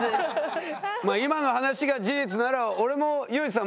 まあ今の話が事実なら俺も裕士さん